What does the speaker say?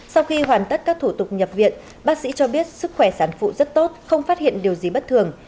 sau khi hoàn tất các thủ tục nhập viện bác sĩ cho biết sức khỏe sản phụ rất tốt không phát hiện điều gì bất thường